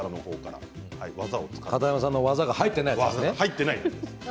片山さんの技が入っていない方で。